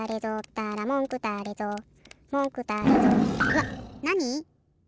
わっなに！？